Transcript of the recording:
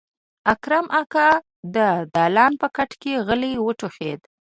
اکرم اکا د دالان په کټ کې غلی وټوخېد.